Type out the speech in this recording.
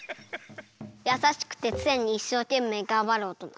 やさしくてつねにいっしょうけんめいがんばるおとな。